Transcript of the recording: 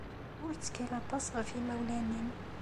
Ur ttkal aṭas ɣef yimawlan-nnem.